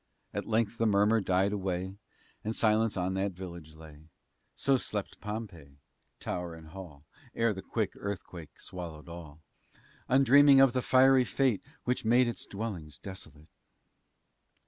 At length the murmur died away, And silence on that village lay. So slept Pompeii, tower and hall, Ere the quick earthquake swallowed all, Undreaming of the fiery fate Which made its dwellings desolate!